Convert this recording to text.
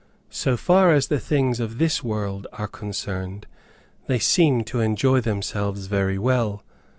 So far as the things of this world are concerned, they seem to enjoy themselves very well.